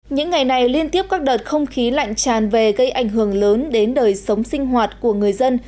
những ngày này liên tiếp các đợt không khí lạnh tràn về gây ảnh hưởng lớn đến đời sống sinh hoạt của người dân